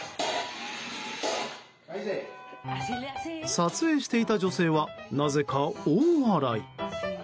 撮影していた女性はなぜか大笑い。